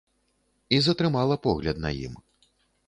І затрымала погляд на ім.